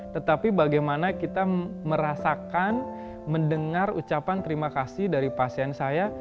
tetapi bagaimana kita merasakan mendengar ucapan terima kasih dari pasien saya